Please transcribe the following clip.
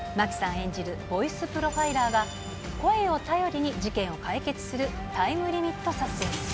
演じるボイスプロファイラーが、声を頼りに事件を解決するタイムリミットサスペンス。